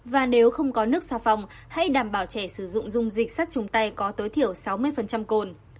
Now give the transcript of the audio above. và nếu không có nước xà phòng hãy đảm bảo trẻ sử dụng dung dịch sát trùng tay có tối thiểu sáu mươi cồn